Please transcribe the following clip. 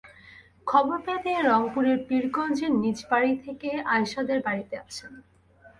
খবর পেয়ে তিনি রংপুরের পীরগঞ্জের নিজ বাড়ি থেকে আয়শাদের বাড়িতে আসেন।